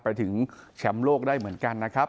ไปถึงแชมป์โลกได้เหมือนกันนะครับ